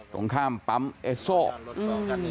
ตรงข้ามปั๊มเอสโซอืม